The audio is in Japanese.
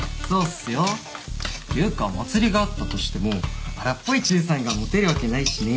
ていうか祭りがあったとしても荒っぽいチュウさんがモテるわけないしね。